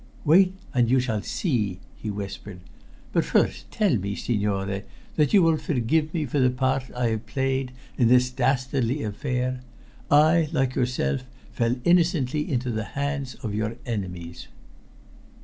"Wait, and you shall see," he whispered. "But first tell me, signore, that you will forgive me for the part I have played in this dastardly affair. I, like yourself, fell innocently into the hands of your enemies."